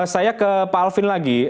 saya ke pak alvin lagi